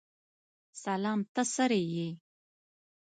سلام ته څرې یې؟